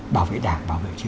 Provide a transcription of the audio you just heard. bảo vệ đảng bảo vệ chế độ